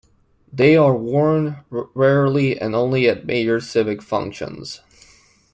They are worn rarely and only at major civic functions.